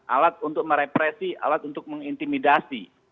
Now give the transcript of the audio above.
alat untuk merepresi alat untuk mengintimidasi